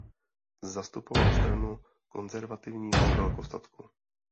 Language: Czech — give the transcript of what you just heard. Zastupoval Stranu konzervativního velkostatku.